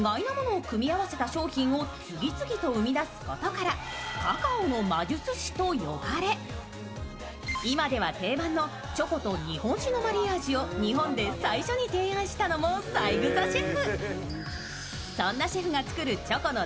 更にチョコと意外なものを組み合わせた商品を次々と生み出すことからカカオの魔術師と呼ばれ今では定番のチョコと日本酒のマリアージュを日本で最初に提案したのも三枝シェフ。